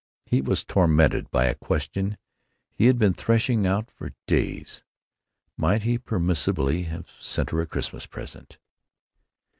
He was tormented by a question he had been threshing out for days: Might he permissibly have sent her a Christmas present?